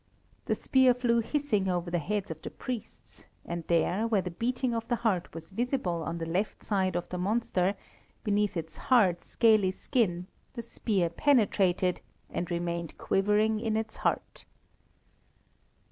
The spear flew hissing over the heads of the priests, and there, where the beating of the heart was visible on the left side of the monster, beneath its hard, scaly skin, the spear penetrated, and remained quivering in its heart.